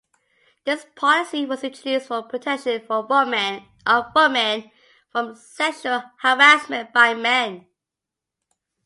This policy was introduced for protection of women from sexual harassment by men.